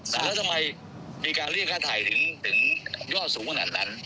แล้วทำไมมีการเรียกค่าถ่ายถึงยอดสูงขนาดนั้น